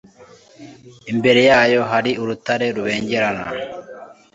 imbere yayo hali urutarerubengerana